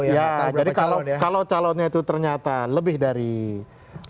ya jadi kalau calonnya itu ternyata lebih dari